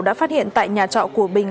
đã phát hiện tại nhà trọ của bình